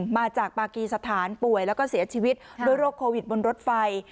มาจากปากีสถานป่วยแล้วก็เสียชีวิตด้วยโรคโควิดบนรถไฟ